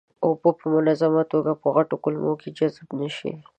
اوبه په منظمه توګه په غټو کولمو کې جذب نشي.